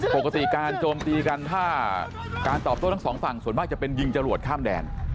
ปกติการโจมตีกันถ้าการตอบโต้ทั้งสองฝั่งส่วนมากจะเป็นยิงจรวดข้ามแดน